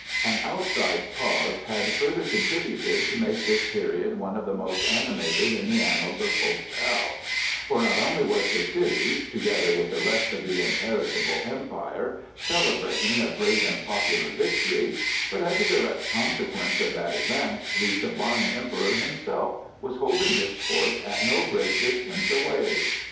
An outside cause had further contributed to make this period one of the most animated in the annals of Ho Chow, for not only was the city, together with the rest of the imperishable Empire, celebrating a great and popular victory, but, as a direct consequence of that event, the sublime Emperor himself was holding his court at no great distance away.